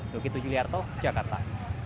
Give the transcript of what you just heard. dukitu juliarto jakarta